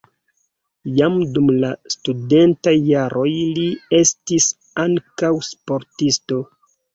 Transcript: Jam dum la studentaj jaroj li estis ankaŭ sportisto.